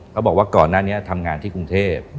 เขาบอกว่าก่อนหน้านี้ทำงานที่กรุงเทพฯ